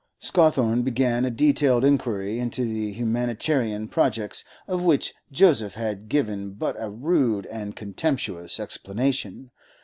Scawthorne began a detailed inquiry into the humanitarian projects of which Joseph had given but a rude and contemptuous explanation.